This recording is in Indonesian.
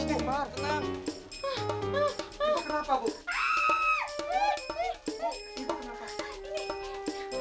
emang dia jahat sama ibu